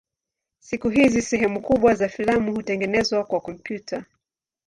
Siku hizi sehemu kubwa za filamu hutengenezwa kwa kompyuta.